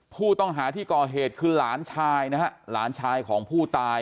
ผู้ต้องหาที่ก่อเหตุคือหลานชายนะฮะหลานชายของผู้ตาย